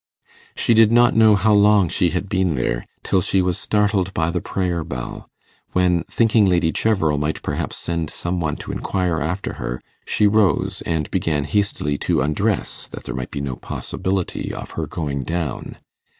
She did not know how long she had been there, till she was startled by the prayer bell; when, thinking Lady Cheverel might perhaps send some one to inquire after her, she rose, and began hastily to undress, that there might be no possibility of her going down again.